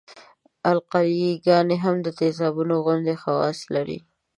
القلي ګانې هم د تیزابونو غوندې خواص لري.